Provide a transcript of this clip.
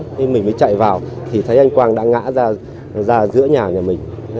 nhưng mình mới chạy vào thì thấy anh quang đã ngã ra giữa nhà nhà mình